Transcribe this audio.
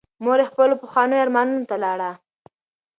مور یې خپلو پخوانیو ارمانونو ته لاړه.